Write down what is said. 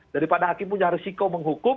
daripada hakim punya risiko menghukum